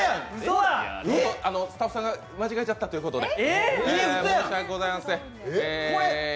スタッフさんが間違えちゃったということで。